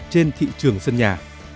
trên thị trường sân nhà